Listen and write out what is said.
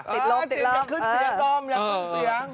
ติดลองอยากขึ้นเสียงล่อมอยากขึ้นเสียง